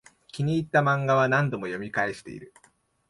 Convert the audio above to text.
気に入ったマンガは何度も読み返してる